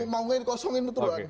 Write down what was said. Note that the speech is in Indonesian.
panggungnya dikosongin betul